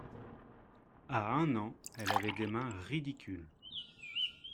À un an, elle avait des mains ridicules.